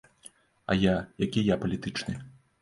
А я, які я палітычны?